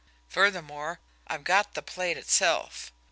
Furthermore, I've got the plate itself.